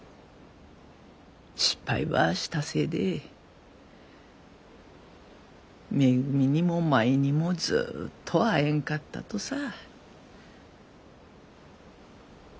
失敗ばしたせいでめぐみにも舞にもずっと会えんかったとさ。